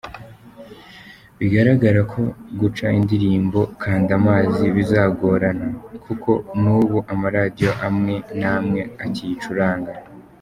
Bigaragara ko guca indirimbo Kanda Amazi bizagorana, kuko n’ubu amaradiyo amwe n’amweakiyicuranga.